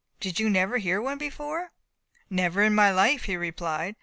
Did you never hear one before?" "Never in my life," he replied.